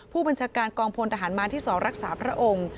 ผู้บัญชาการกองพลทหารมาที่๒รักษาพระองค์